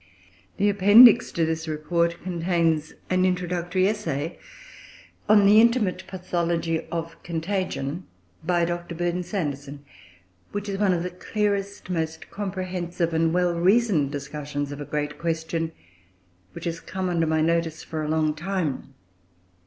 The appendix to this report contains an introductory essay "On the Intimate Pathology of Contagion," by Dr. Burdon Sanderson, which is one of the clearest, most comprehensive, and well reasoned discussions of a great question which has come under my notice for a long time.